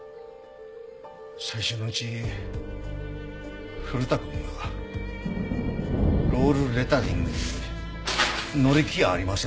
最初のうち古田くんはロールレタリングに乗り気やありませんでした。